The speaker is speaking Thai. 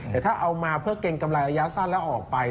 แต่ถ้าเอามาเพื่อเกรงกำไรระยะสั้นแล้วออกไป